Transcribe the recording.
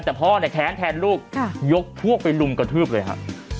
แต่พ่อแค้นลูกยกพวกไปลุมกระทืบเลยค่ะ